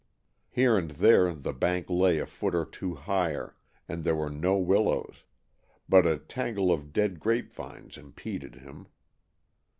Here and there the bank lay a foot or two higher, and there were no willows, but a tangle of dead grapevines impeded him.